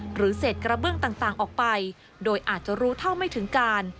หรือเศษกระเบื้องต่างออกไปโดยอาจจะรู้เท่าไม่ถึงการ